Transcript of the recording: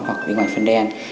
hoặc bên ngoài phân đen